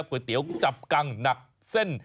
ก๋วยเตี๋ยวจับกังหนักเส้น